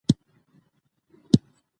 چور تالان روان دی.